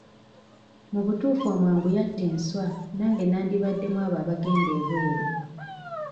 Mu butuufu omwangu yatta enswa nange nandibadde mu abo abagenda ebweru.